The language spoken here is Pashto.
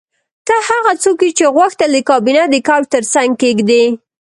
ته هغه څوک یې چې غوښتل دې کابینه د کوچ ترڅنګ کیږدې